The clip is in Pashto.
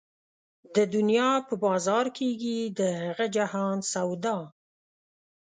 د دنيا په بازار کېږي د هغه جهان سودا